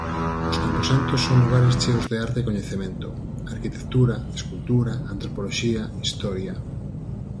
Os camposantos son lugares cheos de arte e coñecemento: arquitectura, escultura, antropoloxía, historia.